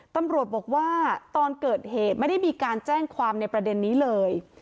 ตำรวจบอกว่าตอนเกิดเหตุไม่ได้มีการแจ้งความในประเด็นนี้เลย